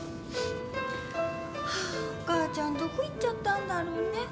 ハァーお母ちゃんどこ行っちゃったんだろうね。